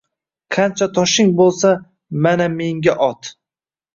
“Qancha toshing bulsa mana menga ot”